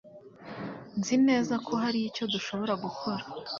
Nzi neza ko hari icyo dushobora gukora.